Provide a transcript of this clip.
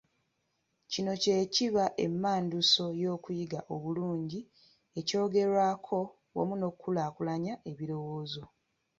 Kino kye kiba emmanduso y’okuyiga obulungi ekyogerwako wamu n’okukulaakulanya ebirowoozo.